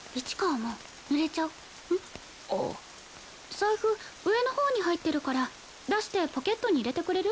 財布上のほうに入ってるから出してポケットに入れてくれる？